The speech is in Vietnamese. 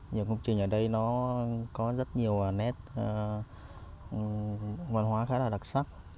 nhiều công trình ở đây nó có rất nhiều nét văn hóa khá là đặc sắc